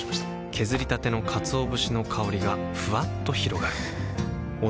削りたてのかつお節の香りがふわっと広がるはぁ。